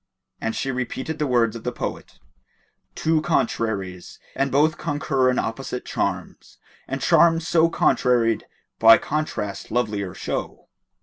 And she repeated the words of the poet, "Two contraries, and both concur in opposite charms, * And charms so contraried by contrast lovelier show."